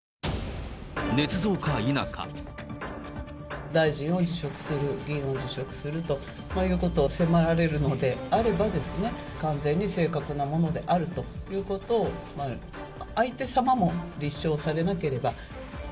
ねつ造か、大臣を辞職する、議員を辞職するということを迫られるのであれば、完全に正確なものであるということを、相手様も立証されなければ。